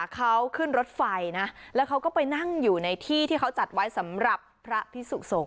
เขาขึ้นรถไฟนะแล้วเขาก็ไปนั่งอยู่ในที่ที่เขาจัดไว้สำหรับพระพิสุสงฆ